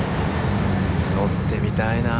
乗ってみたいなあ。